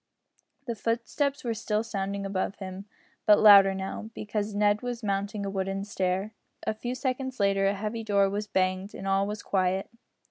The footsteps were still sounding above him, but louder now, because Ned was mounting a wooden stair. A few seconds later a heavy door was banged, and all was quiet.